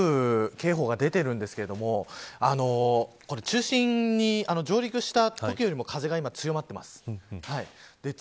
カメラがもう暴風警報が出てるんですけど中心に上陸したときよりも風が今、強まっています。